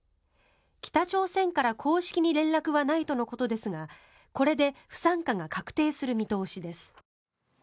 北朝鮮から公式に連絡はないとのことですがこれで不参加が確定する見通しです。